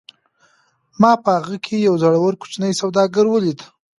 ما په هغه کې یو زړور کوچنی سوداګر ولید